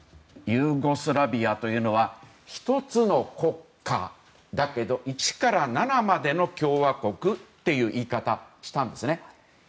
ユーゴスラビアというのは１つの国家だけど１から７までの共和国っていう言い方をしたんですね。